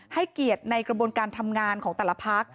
ให้เกียรติในกระบวนการทำงานของแต่ละพัก